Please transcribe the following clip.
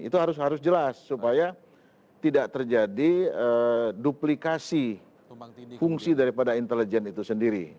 itu harus jelas supaya tidak terjadi duplikasi fungsi daripada intelijen itu sendiri